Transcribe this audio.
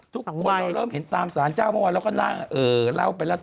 ทุกคนเราเริ่มเห็นตามสารเจ้าเมื่อวานเราก็เล่าไปแล้ว